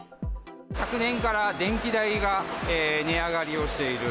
昨年から電気代が値上がりをしている。